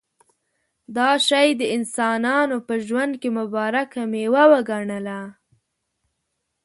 دا شی د انسانانو په ژوند کې مبارکه مېوه وګڼله.